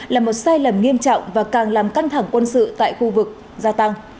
là một sai lầm nghiêm trọng và càng làm căng thẳng quân sự tại khu vực gia tăng